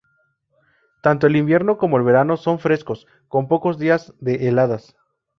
Tanto el invierno como el verano son frescos, con pocos días de heladas.